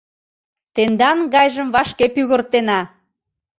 Тендан гайжым вашке пӱгыртена.